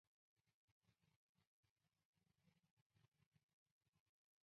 公园大部分地区与水相邻。